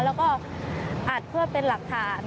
แล้วก็อัดเพื่อเป็นหลักฐาน